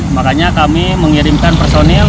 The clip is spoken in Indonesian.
makanya kami mengirimkan personil